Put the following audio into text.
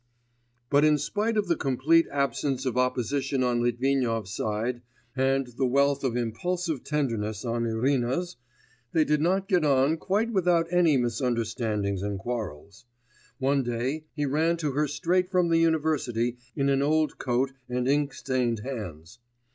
But in spite of the complete absence of opposition on Litvinov's side, and the wealth of impulsive tenderness on Irina's, they did not get on quite without any misunderstandings and quarrels. One day he ran to her straight from the university in an old coat and ink stained hands.